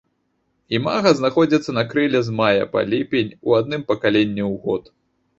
Імага знаходзяцца на крыле з мая па ліпень у адным пакаленні ў год.